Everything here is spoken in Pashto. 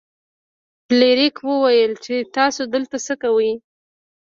فلیریک وویل چې تاسو دلته څه کوئ.